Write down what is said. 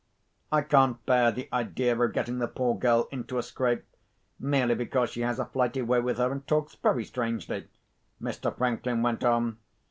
"I can't bear the idea of getting the poor girl into a scrape, merely because she has a flighty way with her, and talks very strangely," Mr. Franklin went on.